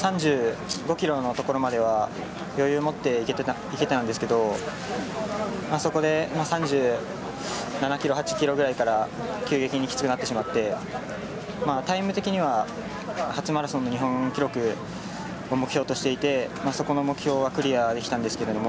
３５ｋｍのところまでは余裕を持っていけてたんですけどあそこで３７ｋｍ、３８ｋｍぐらいから急激にきつくなってしまってタイム的には初マラソンの日本記録を目標としていてそこの目標はクリアできたんですけど